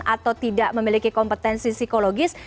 atau tidak memiliki kompetensi psikologis